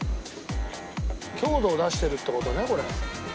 強度を出してるって事ねこれ。